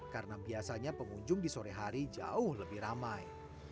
karena biasanya pengunjung di sore hari jauh lebih ramai